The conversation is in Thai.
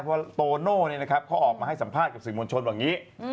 เพราะว่าโตโน้นิเขาออกมาให้สัมภาษณ์กับสื่อมวลชนบอกงี้